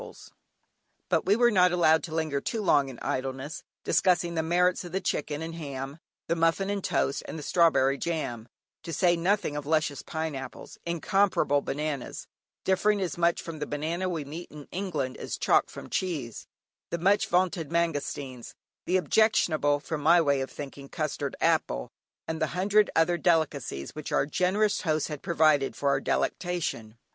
[Illustration: A HPOONGYI KYAUNG MONASTERY] But we were not allowed to linger too long in idleness, discussing the merits of "the chicken and ham, the muffin and toast, and the strawberry jam," to say nothing of luscious pineapples, incomparable bananas (differing as much from the banana we meet in England, as chalk from cheese), the much vaunted mangostines, the objectionable (from my way of thinking) custard apple, and the hundred, other delicacies which our generous hosts had provided for our delectation.